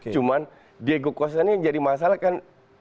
cuman diego costa ini yang jadi masalah kan